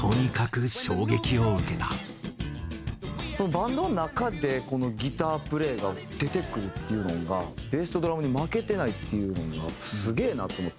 バンドの中でこのギタープレーが出てくるっていうのがベースとドラムに負けてないっていうのがすげえなと思って。